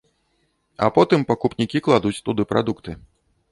А потым пакупнікі кладуць туды прадукты.